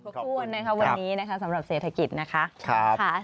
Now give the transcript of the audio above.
ขอบคุณนะครับวันนี้สำหรับเศรษฐกิจนะคะ